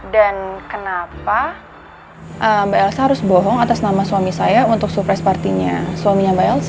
dan kenapa mbak elsa harus bohong atas nama suami saya untuk surprise party nya suaminya mbak elsa